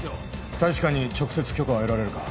大使館に直接許可は得られるか？